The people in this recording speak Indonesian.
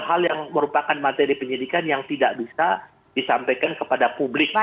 ada hal hal yang merupakan materi penyelidikan yang tidak bisa disampaikan kepada publik